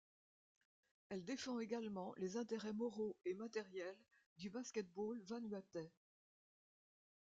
Elle défend également les intérêts moraux et matériels du basket-ball vanuatais.